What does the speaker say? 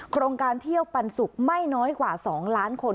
โครงการเที่ยวปันสุกไม่น้อยกว่า๒ล้านคน